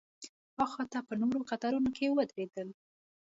ها خوا ته په نورو قطارونو کې ودرېدل.